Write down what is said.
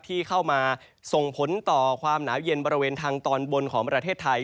ที่เข้ามาส่งผลต่อความหนาวเย็นบริเวณทางตอนบนของประเทศไทย